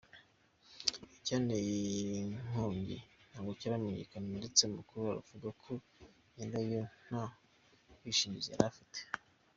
Icyateye iyi nkongi ntabwo kiramenyekana ndetse amakuru aravuga ko nyirayo nta bwishingizi yari afite.